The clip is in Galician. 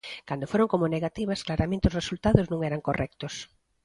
Cando foron como negativas, claramente os resultados non eran correctos.